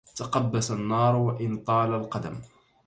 تقبس النار وإن طال القدم